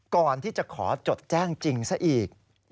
ก่อนที่จะขอจดแจ้งจริงซะอีก